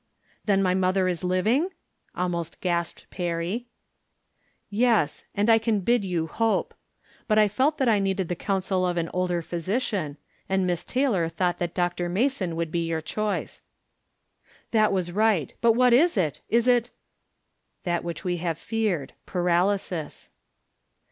"Then my mother is living?" almost gasped Perry. "Yes, and I can bid you hope. Cut I felt that I needed the counsel of an older physician, and Miss Taylor thought that Dr. Mason would be your choice." From Different Standpoints. , 189 " That was right. But what is it ? Is it —"" That whicli we have feared — paralysis."